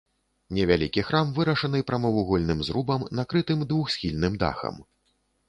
Невялікі храм вырашаны прамавугольным зрубам, накрытым двухсхільным дахам.